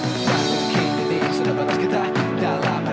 mungkin ini sudah batas kita